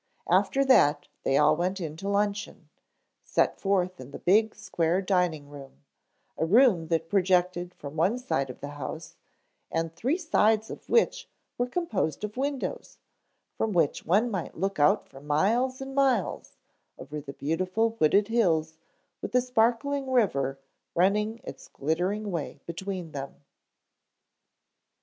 After that they all went in to luncheon, set forth in the big, square dining room, a room that projected from one side of the house and three sides of which were composed of windows, from which one might look out for miles and miles over the beautiful wooded hills with the sparkling river running its glittering way between them.